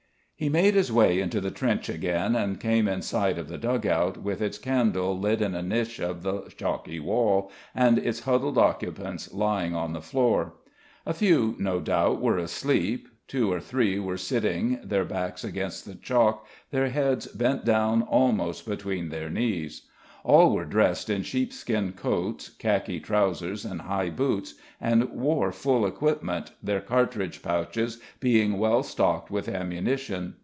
He made his way into the trench again, and came in sight of the dug out, with its candle lit in a niche of the chalky wall, and its huddled occupants lying on the floor. A few, no doubt, were asleep. Two or three were sitting, their backs against the chalk, their heads bent down almost between their knees. All were dressed in sheepskin coats, khaki trousers and high boots, and wore full equipment, their cartridge pouches being well stocked with ammunition.